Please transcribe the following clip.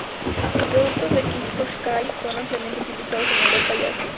Los productos de Kaspersky son ampliamente utilizados en Europa y Asia.